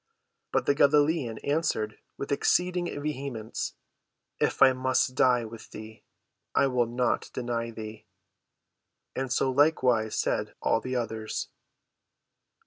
But the Galilean answered with exceeding vehemence, "If I must die with thee, I will not deny thee!" And so likewise said all the others.